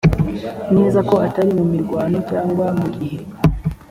neza ko atari mu mirwano cyangwa mu gihe